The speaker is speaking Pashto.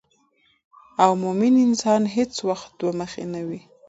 او مومن انسان هیڅ وخت دوه مخې نه وي